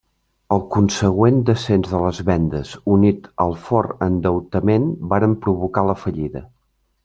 El consegüent descens de les vendes unit al fort endeutament varen provocar la fallida.